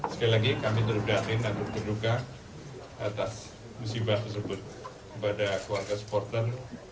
sekali lagi kami terhubungkan atas musibah tersebut kepada keluarga supporter